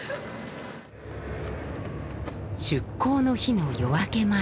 出港の日の夜明け前。